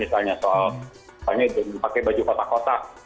misalnya soal misalnya pakai baju kotak kotak